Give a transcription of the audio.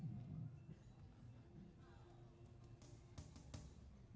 ขราร